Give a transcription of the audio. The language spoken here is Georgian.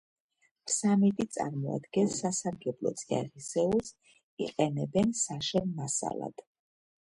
ფსამიტი წარმოადგენს სასარგებლო წიაღისეულს, იყენებენ საშენ მასალად.